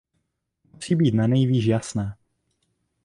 To musí být nanejvýš jasné.